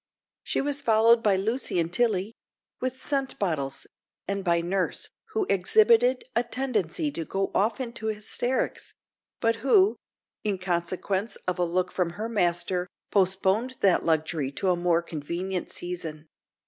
She was followed by Lucy and Tilly, with scent bottles, and by nurse, who exhibited a tendency to go off into hysterics; but who, in consequence of a look from her master, postponed that luxury to a more convenient season.